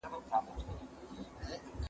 زه به سبا چپنه پاک کړم،